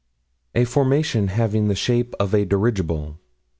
25 "A formation having the shape of a dirigible."